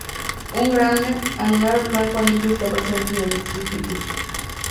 Un grande, anular blanco anillo está presente en el estípite.